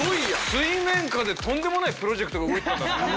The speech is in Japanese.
水面下でとんでもないプロジェクトが動いてたんだね。